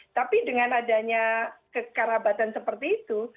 tapi dengan adanya kekerabatan seperti itu